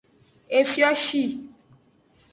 Efioshi.